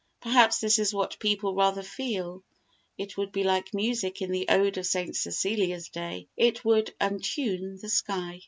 Perhaps this is what people rather feel. It would be like Music in the Ode for St. Cecilia's Day, it would "untune the sky."